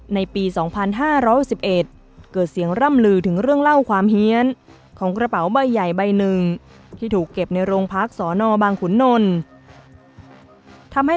ในปี๒๕๖๑เกิดเสียงร่ำลือถึงเรื่องเล่าความเฮียนของกระเป๋าใบใหญ่ใบหนึ่งที่ถูกเก็บในโรงพักสอนอบางขุนนลทำให้